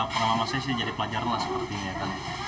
pengalaman saya sih jadi pelajaran lah seperti ini ya kan